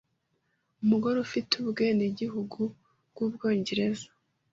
Umugore ufite ubwenegihugu bw’u Bwongereza